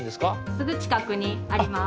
・すぐちかくにあります。